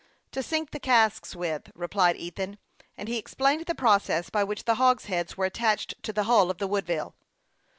" To sink the casks with," replied Ethan ; and he explained the process by which the hogsheads were attached to the hull of the Woodville.